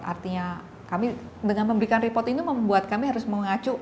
artinya kami dengan memberikan report ini membuat kami harus mengacu